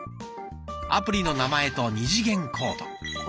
アプリの名前と二次元コード。